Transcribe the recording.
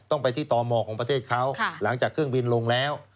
ต้องไปที่ตมของประเทศเขาหลังจากเครื่องบินลงแล้ว